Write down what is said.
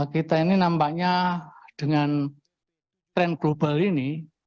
kita ini nampaknya dengan tren global ini